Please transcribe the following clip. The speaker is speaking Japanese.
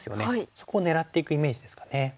そこを狙っていくイメージですかね。